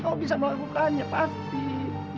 kamu bisa melakukannya pasti